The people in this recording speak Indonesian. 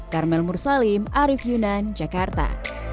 karmel mursalim arief yunan jakarta